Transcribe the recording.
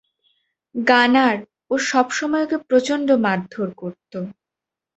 গানার, ও সবসময় ওকে প্রচন্ড মারধর করতো।